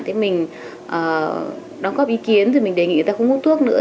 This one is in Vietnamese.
thì mình đóng góp ý kiến rồi mình đề nghị người ta không hút thuốc nữa